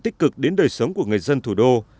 tích cực đến đời sống của người dân thủ đô